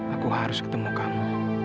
aku harus ketemu kamu